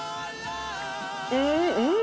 うんうん！